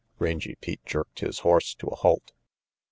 Rangy Pete jerked his horse to a halt.